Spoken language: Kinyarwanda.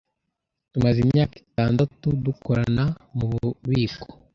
Tumaze imyaka itandatu dukorana nububiko.